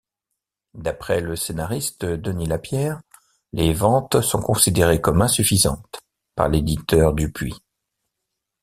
D'après le scénariste Denis Lapière, les ventes sont considérées comme insuffisantes par l'éditeur Dupuis.